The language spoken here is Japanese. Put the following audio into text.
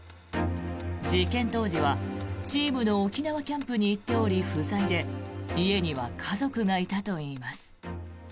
事件当時はチームの沖縄キャンプに行っており、不在で家には家族がいたといいます。